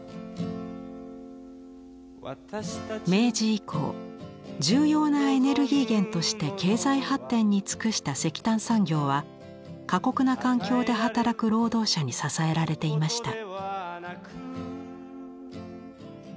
明治以降重要なエネルギー源として経済発展に尽くした石炭産業は過酷な環境で働く労働者に支えられていました。